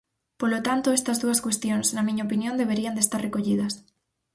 Polo tanto, estas dúas cuestións, na miña opinión, deberían de estar recollidas.